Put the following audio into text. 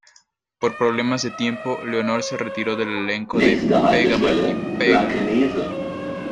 Por problemas de tiempo, Leonor se retiró del elenco de "¡Pega, Martín, pega!